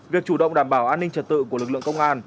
việc chủ động đảm bảo an ninh trật tự của lực lượng công an